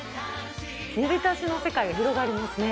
煮びたしの世界が広がりますね。